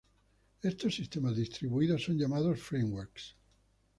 Estos sistemas distribuidos son llamados frameworks.